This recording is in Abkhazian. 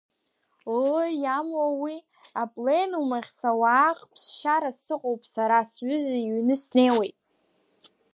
Ыы, иамоуи, апленум ахь сауаах, ԥсшьара сыҟоуп сара, сҩыза иҩны снеиуеит…